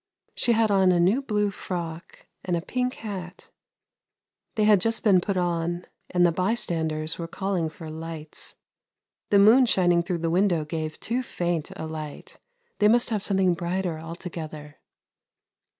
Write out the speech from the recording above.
She had on a new blue frock and a pink hat! they had just been put on, and the bystanders were calling for lights. The moon shining through the window gave too faint a light, they must have some thing brighter altogether.